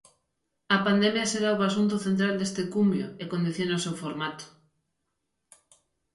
A pandemia será o asunto central deste cumio, e condiciona o seu formato.